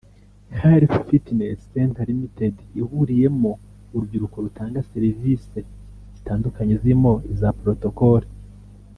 Health&Fitness Center Ltd ihuriyemo urubyiruko rutanga serivise zitandukanye zirimo iza Protocole